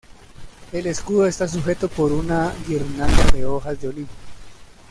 El escudo está sujeto por una guirnalda de hojas de olivo.